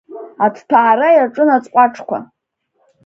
Аҭҭәаара иаҿын аӡҟәаҿқәа…